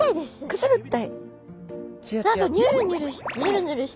くすぐったい。